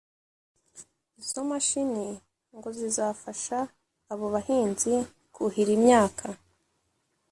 Izo mashini ngo zizafasha abo bahinzi kuhira imyaka